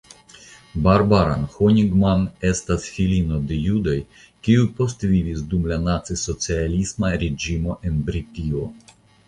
Barbara Honigmann estas filino de judoj kiuj postvivis dum la nacisocialisma reĝimo en Britio.